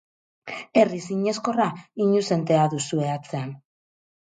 Herri sineskorra, inuzentea duzue atzean.